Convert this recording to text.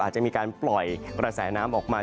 อาจจะมีการปล่อยกระแสน้ำออกมาจากเขื่อน